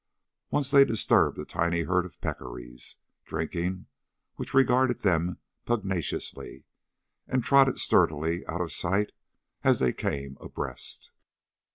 Once they disturbed a tiny herd of peccaries, drinking, which regarded them pugnaciously and trotted sturdily out of sight as they came abreast.